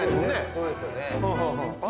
そうですよね